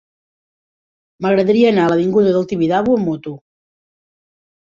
M'agradaria anar a l'avinguda del Tibidabo amb moto.